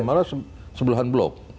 ada malah sebelahan blok